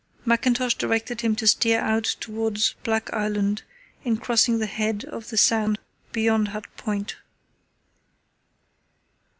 Mackintosh directed him to steer out towards Black Island in crossing the head of the Sound beyond Hut Point.